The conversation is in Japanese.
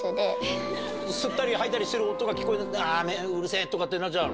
吸ったり吐いたりしてる音が聞こえたらうるせぇとかってなっちゃうの？